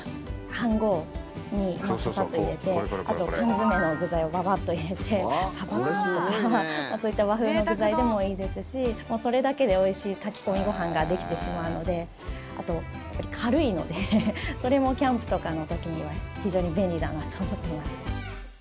飯ごうにササッと入れてあと缶詰の具材をババッと入れてサバ缶とか、そういった和風の具材でもいいですしそれだけでおいしい炊き込みご飯ができてしまうのであと、軽いのでそれもキャンプとかの時には非常に便利だなと思ってます。